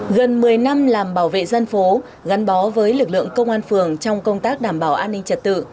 gần một mươi năm làm bảo vệ dân phố gắn bó với lực lượng công an phường trong công tác đảm bảo an ninh trật tự